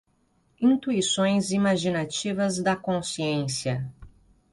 Intuições imaginativas da consciência